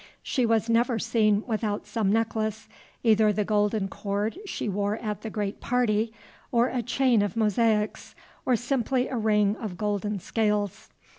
She was never seen without some necklace, either the golden cord she wore at the great party, or a chain of mosaics, or simply a ring of golden scales.